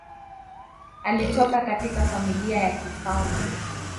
Alitoka katika familia ya kifalme.